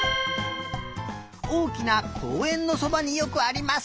おおきなこうえんのそばによくあります。